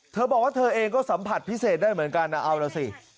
เธอบอกว่าเธอเองก็สัมผัสพิเศษได้เหมือนกันนะเอาล่ะสิ